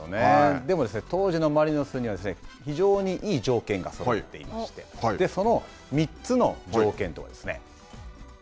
でも、当時のマリノスには非常にいい条件がそろっていまして、その３つの条件。